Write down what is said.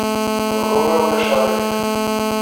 Bdu, ma ulac aɣilif.